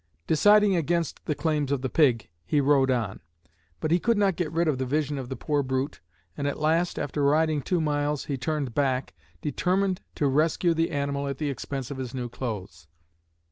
Deciding against the claims of the pig he rode on; but he could not get rid of the vision of the poor brute, and at last, after riding two miles, he turned back, determined to rescue the animal at the expense of his new clothes.